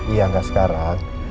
iya enggak sekarang